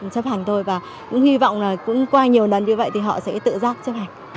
chấp hành thôi và cũng hy vọng là cũng qua nhiều lần như vậy thì họ sẽ tự giác chấp hành